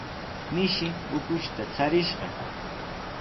Mishi ukushta charishqa.